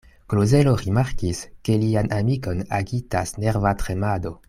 Klozelo rimarkis, ke lian amikon agitas nerva tremado.